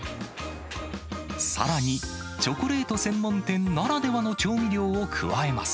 さらに、チョコレート専門店ならではの調味料を加えます。